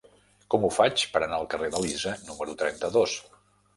Com ho faig per anar al carrer d'Elisa número trenta-dos?